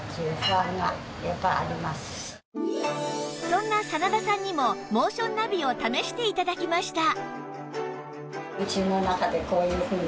そんな真田さんにもモーションナビを試して頂きました